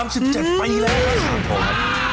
ของพรึ่งของยังนะอืม